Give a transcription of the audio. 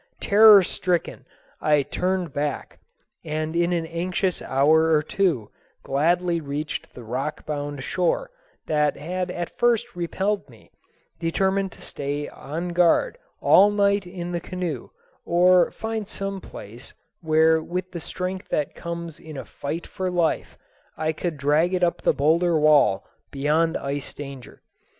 Terror stricken, I turned back, and in an anxious hour or two gladly reached the rock bound shore that had at first repelled me, determined to stay on guard all night in the canoe or find some place where with the strength that comes in a fight for life I could drag it up the boulder wall beyond ice danger.